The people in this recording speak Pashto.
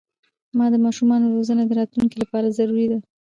د ماشومانو روزنه د راتلونکي لپاره ضروري ده.